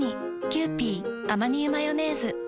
「キユーピーアマニ油マヨネーズ」